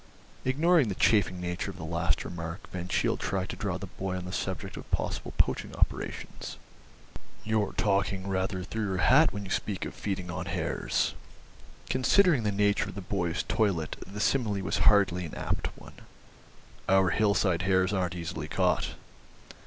Ignoring the chaffing nature of the last remark Van Cheele tried to draw the boy on the subject of possible poaching operations. "You're talking rather through your hat when you speak of feeding on hares." (Considering the nature of the boy's toilet the simile was hardly an apt one.) "Our hillside hares aren't easily caught."